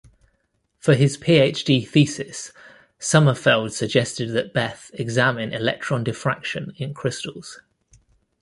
For his PhD thesis, Sommerfeld suggested that Bethe examine electron diffraction in crystals.